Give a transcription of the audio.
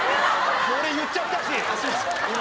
俺言っちゃったし今。